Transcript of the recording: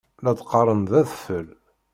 La d-qqaṛen d adfel.